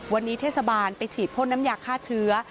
วันนี้เทศบาลไปฉีดพ่นน้ำยาฆ่าเชื้อ